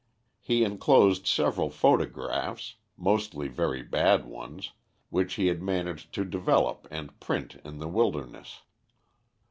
He inclosed several photographs, mostly very bad ones, which he had managed to develop and print in the wilderness.